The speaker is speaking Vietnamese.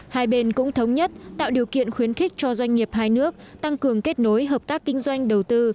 hai bên cũng thống nhất tạo điều kiện khuyến khích cho doanh nghiệp hai nước tăng cường kết nối hợp tác kinh doanh đầu tư